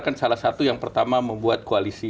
kan salah satu yang pertama membuat koalisi